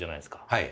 はい。